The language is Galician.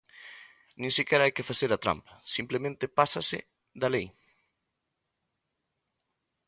Nin sequera hai que "facer a trampa"; simplemente "pásase" da lei.